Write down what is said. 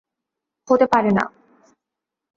হতে পারে না।